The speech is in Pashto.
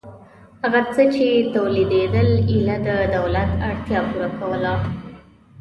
هغه څه چې تولیدېدل ایله د دولت اړتیا پوره کوله